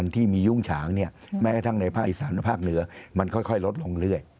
ที่สารภาคเหนือมันค่อยลดลงเรื่อย